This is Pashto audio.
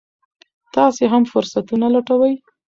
تاسو هم فرصتونه لټوئ.